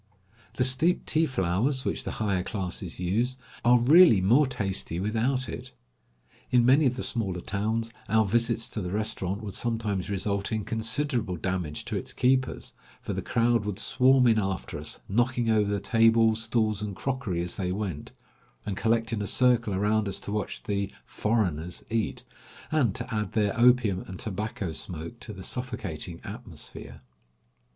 The steeped tea flowers, which the higher classes use, are really more tasty without it. In many of the smaller towns, our visits to the restaurant would sometimes result in considerable damage to its keepers, for the crowd would swarm in after us, knocking over the table, stools, and crockery as they went, and collect in a circle around us to watch the "foreigners" eat, and to add their opium and tobacco smoke to the suffocating atmosphere.